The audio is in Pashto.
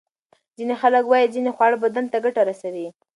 ځینې خلک وايي ځینې خواړه بدن ته ګټه رسوي.